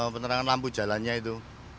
penerangan lampu jalannya itu